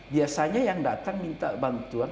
biasanya yang datang minta bantuan